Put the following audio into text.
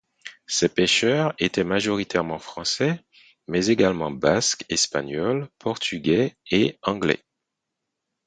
Ces pêcheurs étaient majoritairement français mais également basques espagnols, portugais et anglais.